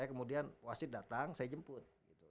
kemudian wasit datang saya jemput